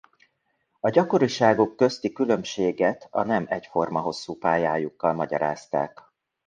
A gyakoriságuk közti különbséget a nem egyforma hosszú pályájukkal magyarázták.